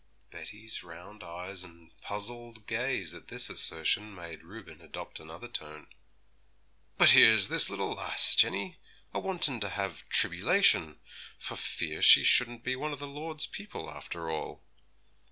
Betty's round eyes and puzzled gaze at this assertion made Reuben adopt another tone. 'But here's this little lass, Jenny, a wantin' to have tribbylation, for fear she shouldn't be one o' the Lord's people after all.'